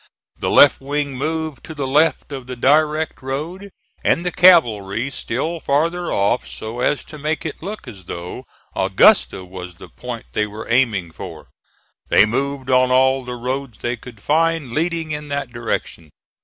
The left wing moved to the left of the direct road, and the cavalry still farther off so as to make it look as though Augusta was the point they were aiming for. They moved on all the roads they could find leading in that direction.